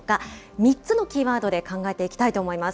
３つのキーワードで考えていきたいと思います。